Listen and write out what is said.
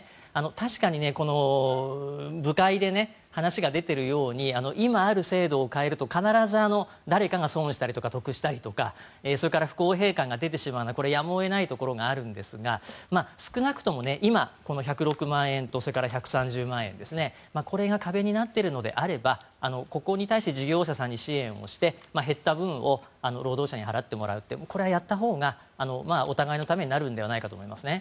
確かに部会で話が出ているように今ある制度を変えると必ず誰かが損をしたりとか得をしたりとかそれから不公平感が出てしまうのはやむを得ないところがあるんですが少なくとも今１０６万円と１３０万円ですねこれが壁になっているのであればここに対して事業者さんに支援をして減った分を労働者に払ってもらうってこれはやったほうがお互いのためになるのではないかと思いますね。